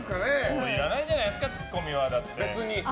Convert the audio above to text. もういらないんじゃないですかツッコミは。